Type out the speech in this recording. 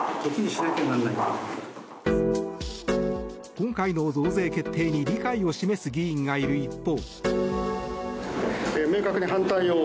今回の増税決定に理解を示す議員がいる一方。